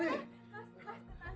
ya allah don